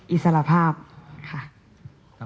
อิสรภาพค่ะ